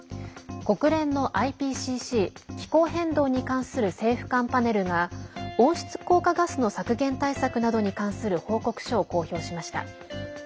国連のＩＰＣＣ＝気候変動に関する政府間パネルが温室効果ガスの削減対策などに関する報告書を公表しました。